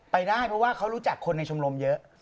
ไปได้เพราะว่าเขารู้จักคนในชมรมเยอะ